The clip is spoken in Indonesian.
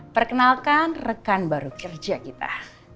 perkenalkan rekan baru kerja kita